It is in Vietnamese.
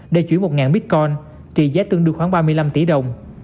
để chuyển một bitcon trị giá tương đương khoảng ba mươi năm tỷ đồng